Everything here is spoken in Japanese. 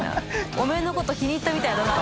お前のこと気に入ったみたいだな」